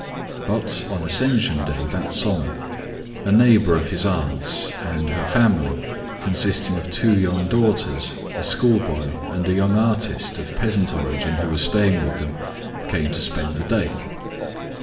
But on Ascension Day that summer, a neighbour of his aunts', and her family, consisting of two young daughters, a schoolboy, and a young artist of peasant origin who was staying with them, came to spend the day.